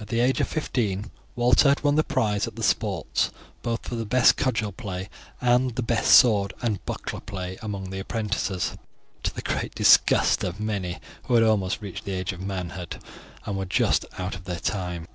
At the age of fifteen Walter had won the prize at the sports, both for the best cudgel play and the best sword and buckler play among the apprentices, to the great disgust of many who had almost reached the age of manhood and were just out of their time.